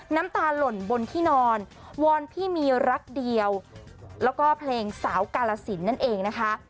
น้ำตาหล่นบนที่นอนวอนพี่มีรักเดียวแล้วก็เพลงสาวกาลสินนั่นเองนะคะ